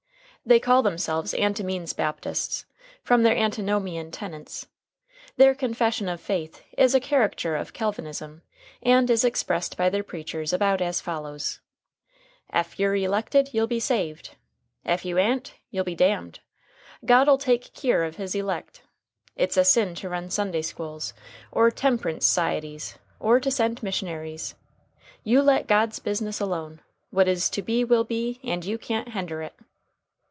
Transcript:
They call themselves "Anti means Baptists" from their Antinomian tenets. Their confession of faith is a caricature of Calvinism, and is expressed by their preachers about as follows: "Ef you're elected, you'll be saved; ef you a'n't, you'll be damned. God'll take keer of his elect. It's a sin to run Sunday schools, or temp'rince s'cieties, or to send missionaries. You let God's business alone. What is to be will be, and you can't hender it."